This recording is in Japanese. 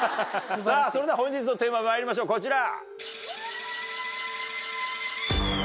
さぁそれでは本日のテーマまいりましょうこちら！